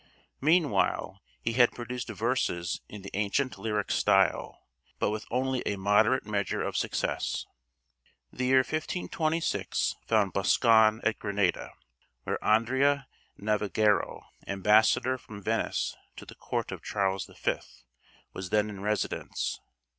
Meanwhile he had produced verses in the ancient lyric style, but with only a moderate measure of success. The year 1526 found Boscan at Granada, where Andrea Navagiero, Ambassador from Venice to the Court of Charles the Fifth, was then in residence.